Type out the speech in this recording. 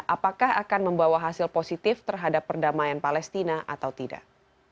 apakah akan membawa hasil positif terhadap perdamaian palestina atau tidak